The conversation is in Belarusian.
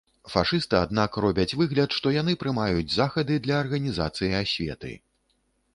Фашысты, аднак, робяць выгляд, што яны прымаюць захады для арганізацыі асветы.